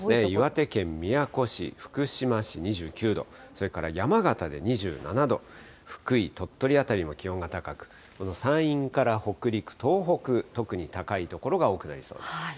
岩手県宮古市、福島市２９度、それから山形で２７度、福井、鳥取辺りも気温が高く、この山陰から北陸、東北、特に高い所多くなりそうです。